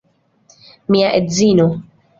Mia edzino!